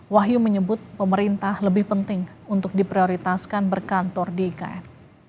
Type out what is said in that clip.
wahyu menyebut pemerintah lebih penting untuk diprioritaskan berkantor di ikn